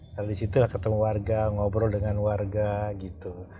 dari situ ketemu warga ngobrol dengan warga gitu